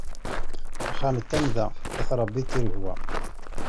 Axxam d tamda, at Ṛebbi d tiregwa.